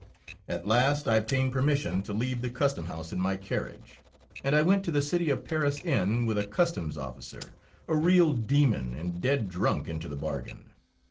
At last I obtained permission to leave the custom house in my carriage, and I went to the "City of Paris" inn with a customs officer, a real demon and dead drunk into the bargain.